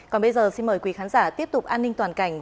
còn bây giờ xin mời quý khán giả tiếp tục an ninh toàn cảnh